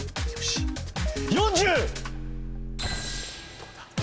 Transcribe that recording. どうだ？